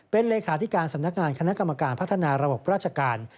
เป็นเลขาธิการสำนักงานคณะกรรมการพัฒนาระบบราชการ